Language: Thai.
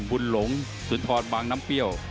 หลงสุนทรบางน้ำเปรี้ยว